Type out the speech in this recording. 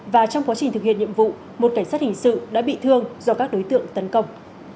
và trong quá trình thực hiện nhiệm vụ một cảnh sát hình sự đã bị thương do các đối tượng tấn công